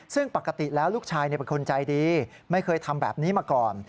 ซึ่งปกติแล้วลูกชายเป็นคนใจดีไม่เคยทำแบบนี้มาก่อน